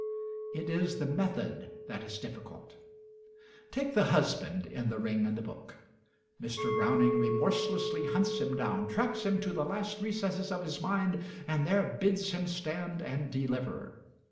It is the method that is difficult. Take the husband in 'The Ring and the Book.' Mr. Browning remorselessly hunts him down, tracks him to the last recesses of his mind, and there bids him stand and deliver.